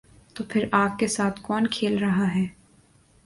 تو پھر آگ کے ساتھ کون کھیل رہا ہے؟